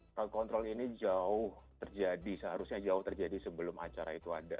flight control ini jauh terjadi seharusnya jauh terjadi sebelum acara itu ada